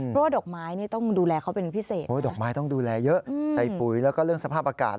เพราะว่าดอกไม้นี่ต้องดูแลเขาเป็นพิเศษดอกไม้ต้องดูแลเยอะใส่ปุ๋ยแล้วก็เรื่องสภาพอากาศ